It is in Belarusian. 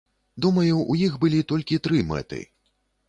Думаю, у іх былі толькі тры мэты.